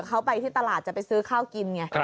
เขาไปที่ตลาดจะไปซื้อข้าวกินไง